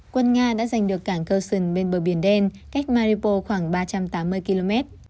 quân nga đã giành được cảng kursyn bên bờ biển đen cách maripos khoảng ba trăm tám mươi km